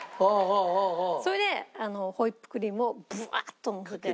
それでホイップクリームをブワッとのせて。